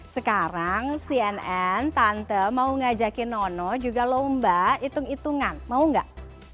sekarang cnn tante mau ngajakin nono juga lomba hitung hitungan mau nggak